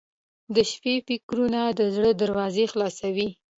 • د شپې فکرونه د زړه دروازې خلاصوي.